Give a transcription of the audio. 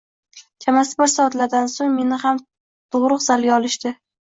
Chamasi bir soatlardan so`ng meni ham tug`uruq zaliga olishdi